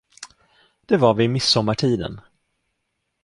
Det var vid midsommartiden.